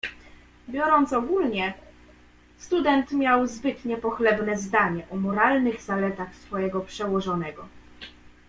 "Biorąc ogólnie, student miał zbyt niepochlebne zdanie o moralnych zaletach swego przełożonego."